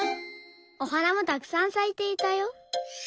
おはなもたくさんさいていたよ。